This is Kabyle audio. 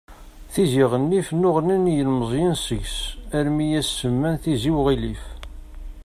Tizi Ɣennif nnuɣnan yilmeẓyen deg-s armi i as-semman: Tizi Uɣilif.